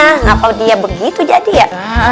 kenapa dia begitu jadi ya